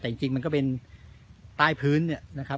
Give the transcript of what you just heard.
แต่จริงมันก็เป็นใต้พื้นเนี่ยนะครับ